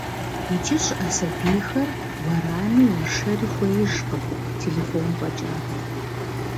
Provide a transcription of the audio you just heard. Иджы щыӏэ сабийхэр уэрами уэршэри хуеижкъым, телефон фӏэкӏа.